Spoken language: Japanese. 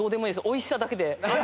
美味しさだけで。